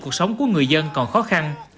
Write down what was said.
cuộc sống của người dân còn khó khăn